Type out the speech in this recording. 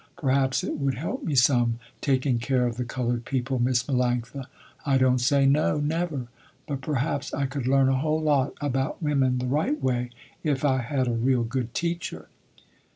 Perhaps it would help me some, taking care of the colored people, Miss Melanctha. I don't say, no, never, but perhaps I could learn a whole lot about women the right way, if I had a real good teacher."